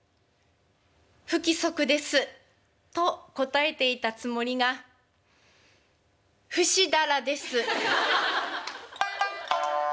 「不規則です」と答えていたつもりが「ふしだらです」。